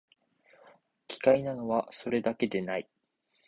奇怪なのは、それだけでない